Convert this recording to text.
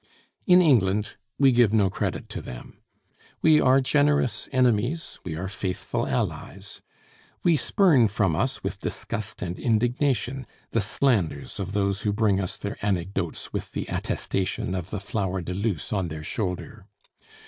In England, we give no credit to them. We are generous enemies: we are faithful allies. We spurn from us with disgust and indignation the slanders of those who bring us their anecdotes with the attestation of the flower de luce on their shoulder.